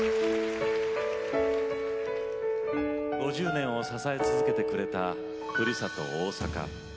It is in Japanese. ５０年を支え続けてくれたふるさと、大阪。